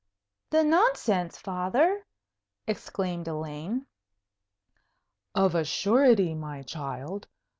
"The nonsense, Father!" exclaimed Elaine. "Of a surety, my child.